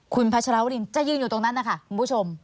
คุณพัชรวรินจะยืนอยู่ตรงนั้นนะคะคุณผู้ชม